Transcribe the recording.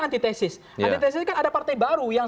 antitesis antitesis kan ada partai baru yang